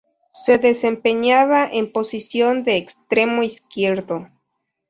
Se desempeñaba en posición de extremo izquierdo.